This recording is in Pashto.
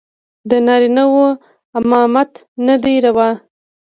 د نارينو امامت نه دى روا.